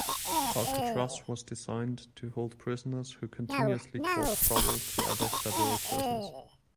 Alcatraz was designed to hold prisoners who continuously caused trouble at other federal prisons.